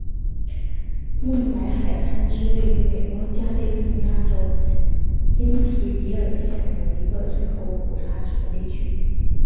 孟买海滩是位于美国加利福尼亚州因皮里尔县的一个人口普查指定地区。